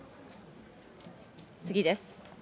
次です。